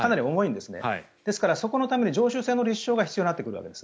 ですから、そこのために常習性の立証が必要になるわけです。